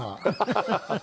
ハハハハ！